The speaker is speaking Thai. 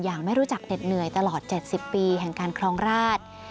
ไม่รู้จักเหน็ดเหนื่อยตลอด๗๐ปีแห่งการครองราช